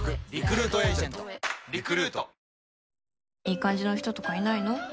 いい感じの人とかいないの？